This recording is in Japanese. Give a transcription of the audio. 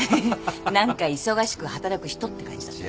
何か忙しく働く人って感じだったね。